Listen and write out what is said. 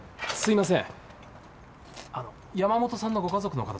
すいません。